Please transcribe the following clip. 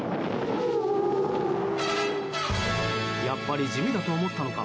やっぱり地味だと思ったのか